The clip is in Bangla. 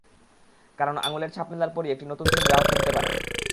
কারণ আঙুলের ছাপ মেলার পরই একটি নতুন সিম গ্রাহক কিনতে পারেন।